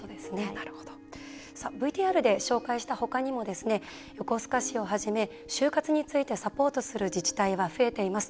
ＶＴＲで紹介した他にも横須賀市をはじめ終活についてサポートする自治体は増えています。